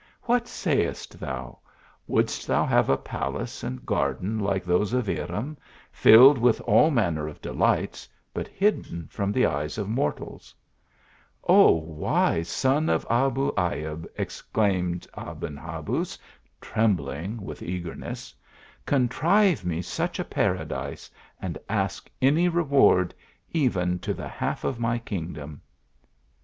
What sayest thou ? Wouldst thou have a palace and garden like those of Irem, filled with all manner of delights, but hidden from the eyes of mortals ?" "O, wise son of Abu Ayub," exclaimed Aben Habuz, trembling with eagerness "Contrive me such a paradise, and ask any reward, even to the half of my kingdom."